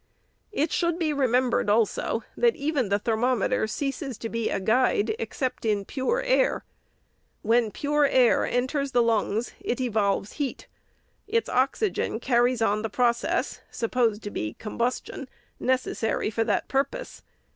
It should be remembered, also, that even the thermom eter ceases to be a guide, except in pure air. When pure air enters the lungs, it evolves heat. Its oxygen carries on the process (supposed to be combustion) necessary for that purpose.